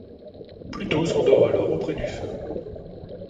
Pluto s'endort alors auprès du feu.